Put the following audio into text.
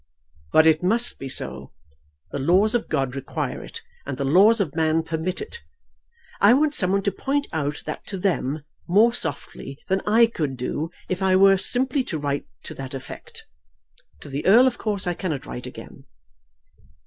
But it must be so. The laws of God require it, and the laws of man permit it. I want some one to point out that to them more softly than I could do if I were simply to write to that effect. To the Earl, of course, I cannot write again."